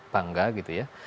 bangga gitu ya